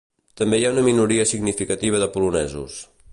També hi ha una minoria significativa de polonesos.